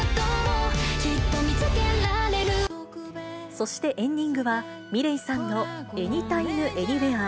そしてエンディングは、ｍｉｌｅｔさんのエニタイム・エニウェア。